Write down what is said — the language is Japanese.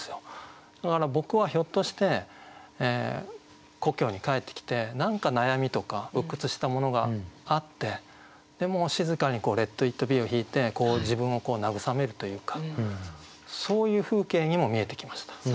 だから僕はひょっとして故郷に帰ってきて何か悩みとか鬱屈したものがあってでもう静かに「レット・イット・ビー」を弾いてこう自分を慰めるというかそういう風景にも見えてきました。